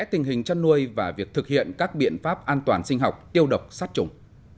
tình hình chăn nuôi và việc thực hiện các biện pháp an toàn sinh học tiêu độc sát trùng